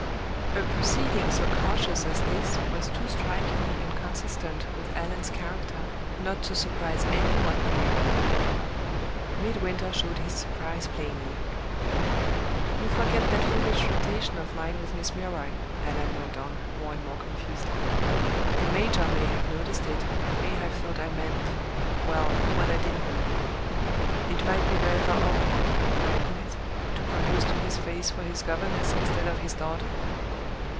A proceeding so cautious as this was too strikingly inconsistent with Allan's character not to surprise any one who knew him. Midwinter showed his surprise plainly. "You forget that foolish flirtation of mine with Miss Milroy," Allan went on, more and more confusedly. "The major may have noticed it, and may have thought I meant well, what I didn't mean. It might be rather awkward, mightn't it, to propose to his face for his governess instead of his daughter?"